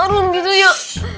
kau gak deh